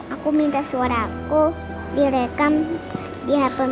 aku minta suara aku direkam di happen